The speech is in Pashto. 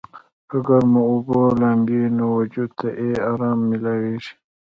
پۀ ګرمو اوبو لامبي نو وجود ته ئې ارام مېلاويږي